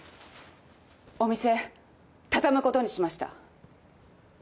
お店畳むことにしました。